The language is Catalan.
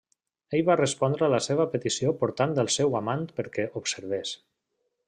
Ell va respondre la seva petició portant el seu amant perquè observés.